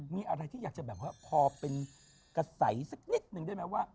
มีอะไรที่อยากจะแบบพอเป็นกระใสสักนิดนึงได้มั้ยว่า